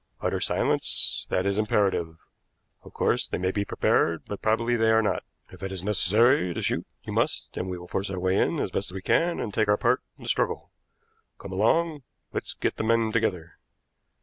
Utter silence; that is imperative. Of course, they may be prepared, but probably they are not. If it is necessary to shoot, you must, and we will force our way in as best we can and take our part in the struggle. Come along, let's get the men together."